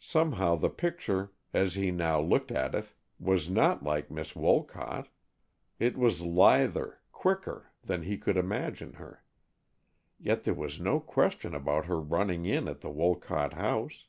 Somehow the picture, as he now looked at it, was not like Miss Wolcott. It was lither, quicker, than he could imagine her. Yet there was no question about her running in at the Wolcott house.